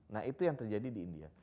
nah itu yang terjadi di india